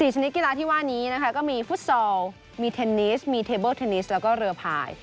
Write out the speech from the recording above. ชนิดกีฬาที่ว่านี้นะคะก็มีฟุตซอลมีเทนนิสมีเทเบิลเทนนิสแล้วก็เรือพาย